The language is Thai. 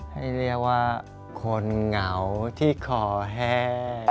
ให้เรียกว่าคนเหงาที่คอแห้ง